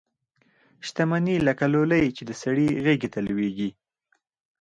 شته مني لکه لولۍ چي د سړي غیږي ته لویږي